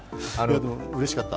うれしかった。